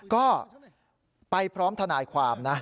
ก็ไปพร้อมทนายความนะ